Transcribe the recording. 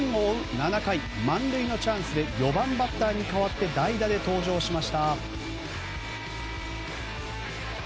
７回満塁のチャンスで４番バッターに代わって代打で登場しました。